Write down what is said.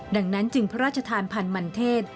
ดังนั้นจึงพระราชทานพันธ์มันเทศ